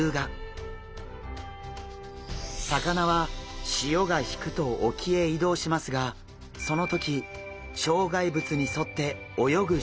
魚は潮が引くと沖へ移動しますがその時障害物に沿って泳ぐ習性があります。